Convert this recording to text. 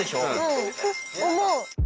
うん思う。